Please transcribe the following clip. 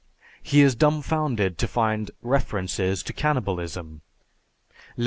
He is dumbfounded to find references to cannibalism (Lev.